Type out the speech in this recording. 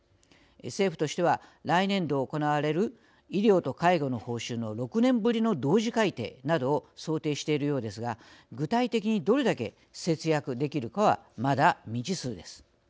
政府としては来年度行われる医療と介護の報酬の６年ぶりの同時改定などを想定しているようですが具体的にどれだけ節約できるかはまだ未知数です。